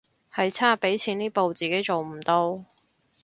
係差畀錢呢步自己做唔到